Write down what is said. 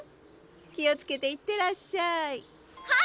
気をつけて行ってらっしゃいはい！